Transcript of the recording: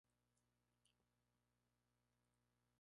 No le gustaban las tendencias de vanguardia de principios de siglo.